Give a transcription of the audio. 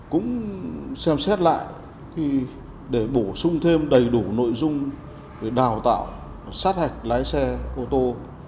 cũng xem xét lại để bổ sung thêm đầy đủ nội dung về đào tạo sát hạch lái xe ô tô